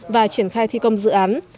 và triển khai thi công dự án